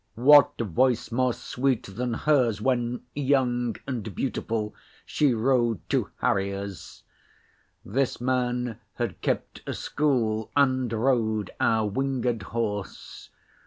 What voice more sweet than hers When young and beautiful, She rode to harriers? This man had kept a school And rode our winged horse.